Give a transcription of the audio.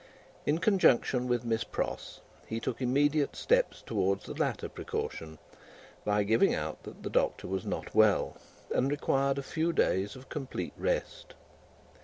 In conjunction with Miss Pross, he took immediate steps towards the latter precaution, by giving out that the Doctor was not well, and required a few days of complete rest.